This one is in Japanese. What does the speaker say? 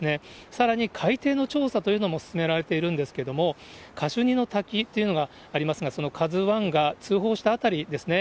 さらに海底の調査というのも進められているんですけれども、カシュニの滝というのがありますが、そのカズワンが通報した辺りですね。